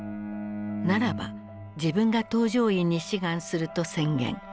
ならば自分が搭乗員に志願すると宣言。